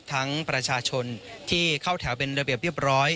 ประชาชนที่เข้าแถวเป็นระเบียบเรียบร้อย